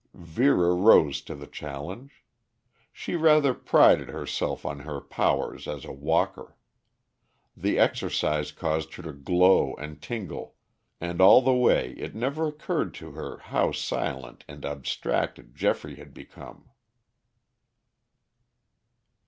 Vera rose to the challenge. She rather prided herself on her powers as a walker. The exercise caused her to glow and tingle, and all the way it never occurred to her how silent and abstracted Geoffrey had become.